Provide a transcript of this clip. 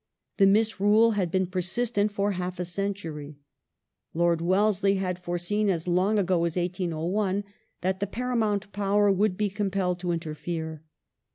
The misrule had been persistent for half a century. Lord Wellesley had foreseen, as long ago as 1801, that the Paramount Power would be compelled to interfere.